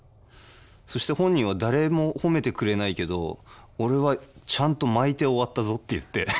そして本人は「誰も褒めてくれないけど俺はちゃんと巻いて終わったぞ」って言ってフフフッ。